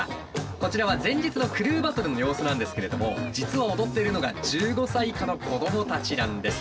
こちらは前日のクルーバトルの様子なんですけれども実は踊っているのが１５歳以下の子どもたちなんです。